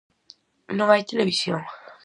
Non hai televisión!